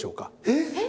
えっ？